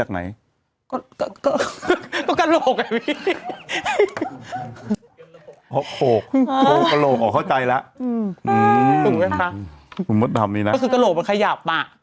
หืมคำ